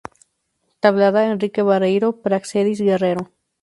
Tablada, Enrique Barreiro, "Práxedis Guerrero.